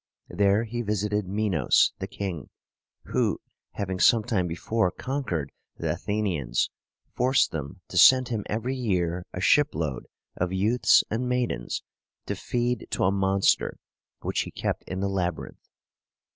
There he visited Minos, the king, who, having some time before conquered the Athenians, forced them to send him every year a shipload of youths and maidens, to feed to a monster which he kept in the Labyrinth.